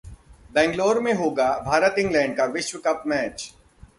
बैंगलोर में होगा भारत-इंग्लैंड का विश्व कप मैच